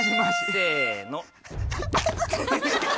せの。